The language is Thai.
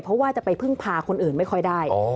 เพราะว่าจะไปพึ่งพาคนอื่นไม่ค่อยได้